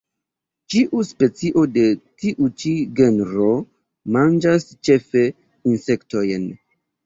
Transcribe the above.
Ĉiu specio de tiu ĉi genro manĝas ĉefe insektojn.